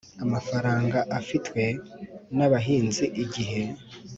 Amafaranga afitwe n abahinzi igihe